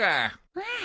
うん。